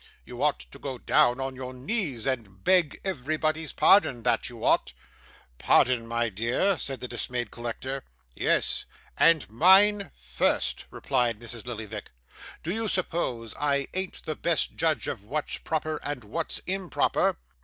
'You ought to go down on your knees and beg everybody's pardon, that you ought.' 'Pardon, my dear?' said the dismayed collector. 'Yes, and mine first,' replied Mrs. Lillyvick. 'Do you suppose I ain't the best judge of what's proper and what's improper?